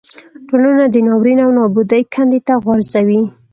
ټولنه د ناورین او نابودۍ کندې ته غورځوي.